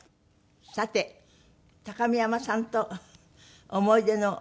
さて高見山さんと思い出の食事会は。